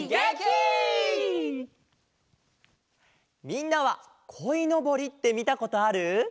みんなはこいのぼりってみたことある？